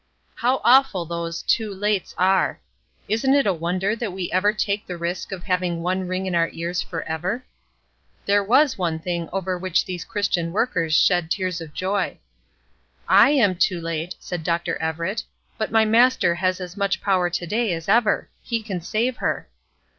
How awful those "too lates" are! Isn't it a wonder that we ever take the risk of having one ring in our ears forever? There was one thing over which some of these Christian workers shed tears of joy. "I am too late," said Dr. Everett, "but my Master has as much power to day as ever. He can save her."